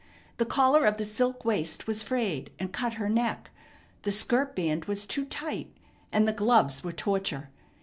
The collar of the silk waist was frayed, and cut her neck. The skirt band was too tight, and the gloves were torture.